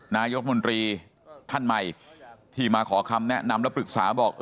นายกมนตรีท่านใหม่ที่มาขอคำแนะนำและปรึกษาบอก